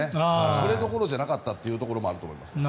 それどころじゃなかったというのもあると思います。